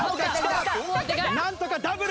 なんとかダブル！